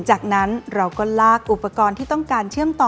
จากนั้นเราก็ลากอุปกรณ์ที่ต้องการเชื่อมต่อ